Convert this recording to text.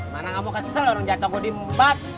mana kamu kesel orang jatah gua di mbat